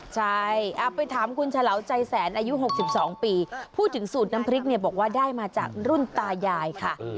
ใช่ไปถามคุณฉลาวใจแสนอายุ๖๒ปีพูดถึงสูตรน้ำพริกเนี่ยบอกว่าได้มาจากรุ่นตายายค่ะ